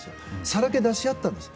さらけ出し合ったんです。